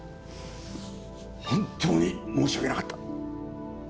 本当に申し訳なかった。